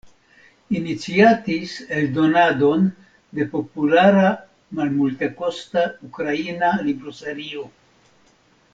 Iniciatis eldonadon de populara malmultekosta ukraina libroserio.